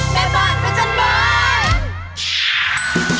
แม่บ้านห์โชนบ้าน